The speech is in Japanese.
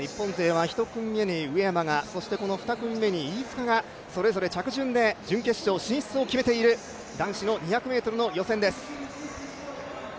日本勢は１組目に上山が、２組目に飯塚がそれぞれ着順で準決勝進出を決めている男子２００ｍの予選です。